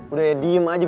udah ya diem aja